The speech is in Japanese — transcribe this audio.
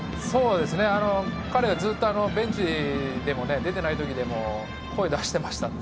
彼はずっとベンチでも出ていない時でも声を出していましたので。